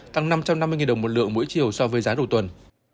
tăng năm trăm năm mươi đồng một lượng mỗi chiều so với giá đầu tuần